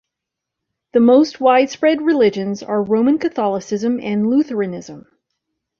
The most widespread religions are Roman Catholicism and Lutheranism.